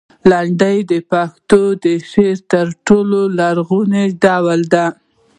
لنډۍ د پښتو د شعر تر ټولو لرغونی ډول دی.